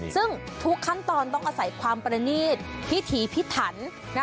ซึ่งทุกขั้นตอนต้องอาศัยความประนีตพิถีพิถัน